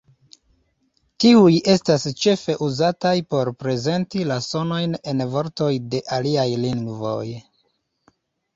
Tiuj estas ĉefe uzataj por prezenti la sonojn en vortoj de aliaj lingvoj.